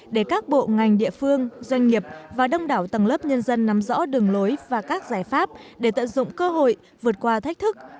để các bộ ngành địa phương doanh nghiệp và đông đảo tầng lớp nhân dân nắm rõ đường lối và các giải pháp để tận dụng cơ hội vượt qua thách thức